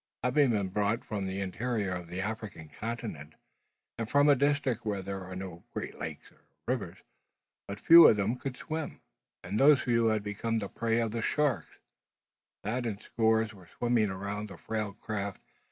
Having been brought from the interior of the African continent, and from a district where there are no great lakes or rivers, but few of them could swim; and those few had become the prey of the sharks, that in scores were swimming around the frail craft.